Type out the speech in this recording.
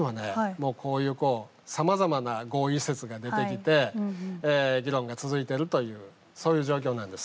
もうこういうさまざまな合意説が出てきて議論が続いてるというそういう状況なんです。